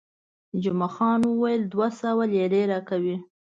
جمعه خان وویل، دوه سوه لیرې راکوي.